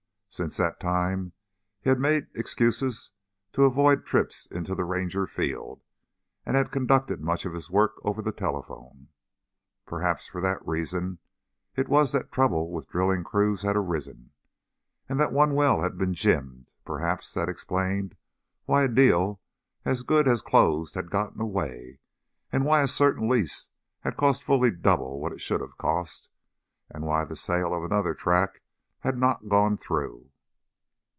Since that time he had made excuses to avoid trips into the Ranger field and had conducted much of his work over the telephone. Perhaps for that reason it was that trouble with drilling crews had arisen, and that one well had been "jimmed"; perhaps that explained why a deal as good as closed had gotten away, why a certain lease had cost fully double what it should have cost, and why the sale of another tract had not gone through.